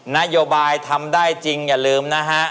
นโยบายทำได้จริงอย่าลืมนะฮะ